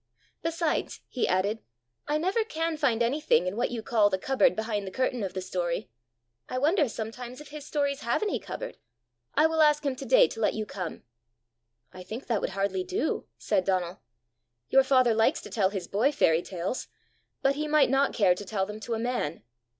Besides," he added, "I never can find anything in what you call the cupboard behind the curtain of the story. I wonder sometimes if his stories have any cupboard! I will ask him to day to let you come." "I think that would hardly do," said Donal. "Your father likes to tell his boy fairy tales, but he might not care to tell them to a man.